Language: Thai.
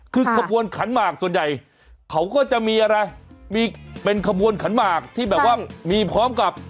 คือขบวนขันหมากส่วนใหญ่เขาก็จะมีอะไรมีเป็นขบวนขันหมากที่แบบว่ามีพร้อมกับ